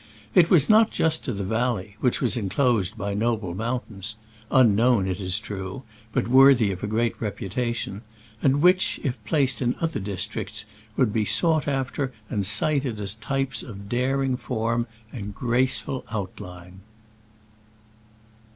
It was not just to the valley, which was enclosed by noble mountains — unknown, it is true, but worthy of a great reputation, and THB VALLON DES 6tAN<;ONS (LOOKING TOWARD LA BBKARDB). which, if placed in other districts, would be sought after and cited as types of daring form and graceful outline.